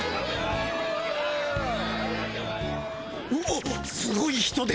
うおっすごい人出だ！